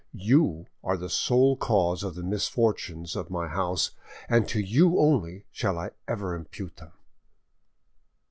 You are the sole cause of the misfortunes of my house, and to you only shall I ever impute them."